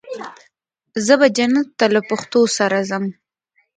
زه به جنت ته له پښتو سره ځم.